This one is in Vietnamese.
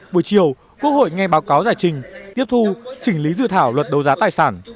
buổi chiều quốc hội nghe báo cáo giải trình tiếp thu chỉnh lý dự thảo luật đấu giá tài sản